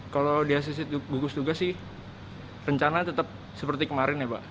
kalau di asisi gugus tugas sih rencana tetap seperti kemarin ya pak